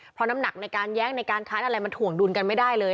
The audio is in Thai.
เพราะน้ำหนักในการแย้งในการค้านอะไรมันถ่วงดุลกันไม่ได้เลย